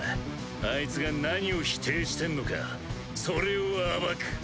あいつが何を否定してんのかそれを暴く。